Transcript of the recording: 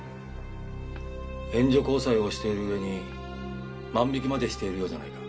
援助交際をしている上に万引きまでしているようじゃないか。